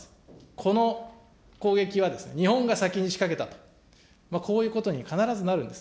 この攻撃は日本が先に仕掛けたと、こういうことに必ずなるんです。